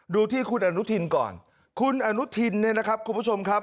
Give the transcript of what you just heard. ดูที่คุณอนุทินก่อนคุณอนุทินเนี่ยนะครับคุณผู้ชมครับ